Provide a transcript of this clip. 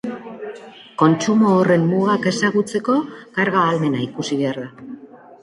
Kontsumo horren mugak ezagutzeko karga ahalmena ikusi behar da.